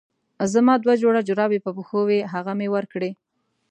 زما دوه جوړه جرابې په پښو وې هغه مې ورکړې.